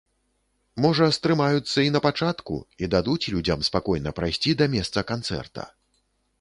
Можа стрымаюцца і на пачатку і дадуць людзям спакойна прайсці да месца канцэрта.